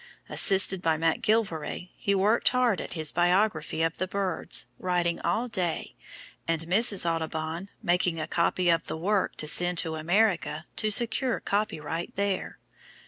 Assisted by MacGillivray, he worked hard at his biography of the birds, writing all day, and Mrs. Audubon making a copy of the work to send to America to secure copyright there.